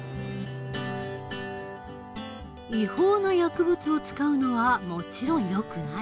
違法な薬物を使うのはもちろんよくない。